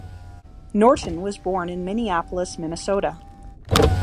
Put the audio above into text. Norton was born in Minneapolis, Minnesota.